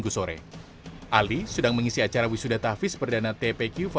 dau tusukan ini cukup keras cukup kuat